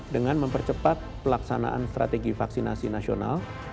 dengan mempercepat pelaksanaan strategi vaksinasi nasional